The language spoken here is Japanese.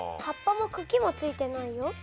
葉っぱもくきもついてないよ。